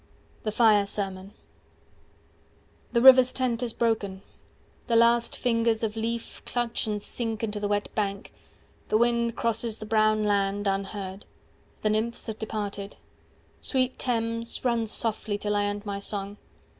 III. THE FIRE SERMON The river's tent is broken: the last fingers of leaf Clutch and sink into the wet bank. The wind Crosses the brown land, unheard. The nymphs are departed. 175 Sweet Thames, run softly, till I end my song.